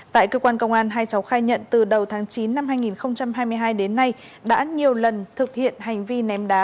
tại cơ quan công an hai cháu khai nhận từ đầu tháng chín năm hai nghìn hai mươi hai đến nay đã nhiều lần thực hiện hành vi ném đá